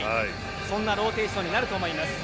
そんなローテーションになると思います。